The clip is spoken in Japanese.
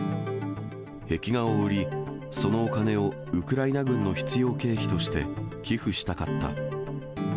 壁画を売り、そのお金をウクライナ軍の必要経費として寄付したかった。